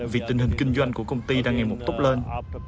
vì tình hình kinh doanh của công ty đang ngày một tốt lên